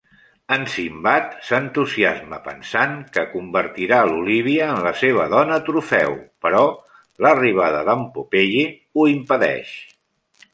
En Sinbad s'entusiasma pensant que convertirà l'Olívia en la seva dona trofeu, però l'arribada d'en Popeye ho impedeix.